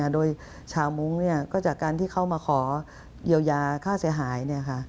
โดยชาวมุ้งก็จากการที่เข้ามาขอเยียวยาค่าเสียหาย